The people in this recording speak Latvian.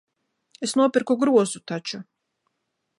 Es nopirku grozu taču.